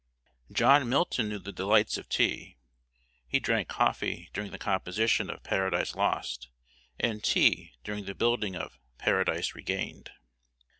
John Milton knew the delights of tea. He drank coffee during the composition of "Paradise Lost," and tea during the building of "Paradise Regained."